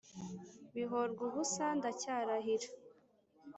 bihorwubusa ndacyarahira